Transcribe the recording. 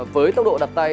với tốc độ đặt tay